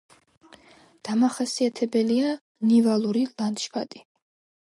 დამახასიათებელია ნივალური ლანდშაფტი.